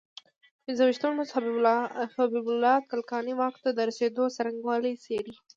پنځه ویشتم لوست حبیب الله کلکاني واک ته رسېدو څرنګوالی څېړي.